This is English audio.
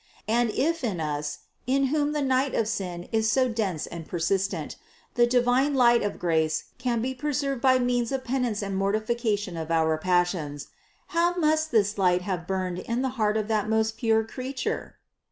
And if in us, in whom the night of sin is so dense and persistent, the divine light of grace can be preserved by means of penance and mortification of our passions, how must this light have burned in the heart of that most pure Creature?